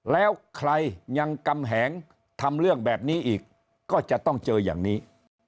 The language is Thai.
แล้วใครยังกำแหงทำเรื่องแบบนี้อีกก็จะต้องเจออย่างนี้